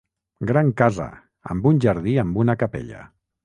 Gran casa, amb un jardí amb una Capella.